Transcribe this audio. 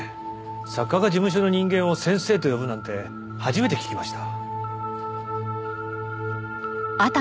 作家が事務所の人間を先生と呼ぶなんて初めて聞きました。